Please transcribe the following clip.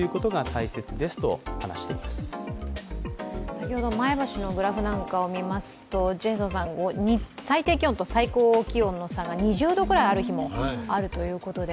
先ほど前橋のグラフなどを見ますと、最低気温と最高気温の差が２０度くらいある日もあるということで。